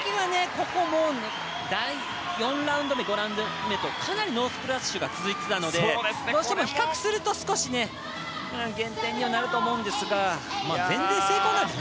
ここも第４ラウンド目第５ラウンド目とかなりノースプラッシュが続いていたのでどうしても比較すると少し減点にはなると思うんですが全然、成功なんです。